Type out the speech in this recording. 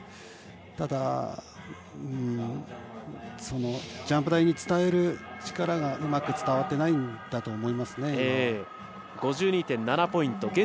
ただ、ジャンプ台に伝える力がうまく伝わってないんだと５２．７ポイント。